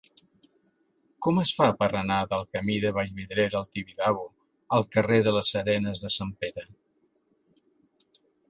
Com es fa per anar de la camí de Vallvidrera al Tibidabo al carrer de les Arenes de Sant Pere?